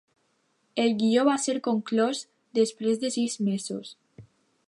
El guió va ser conclòs després de sis mesos.